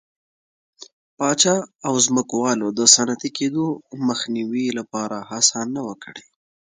پاچا او ځمکوالو د صنعتي کېدو مخنیوي لپاره هڅه نه وه کړې.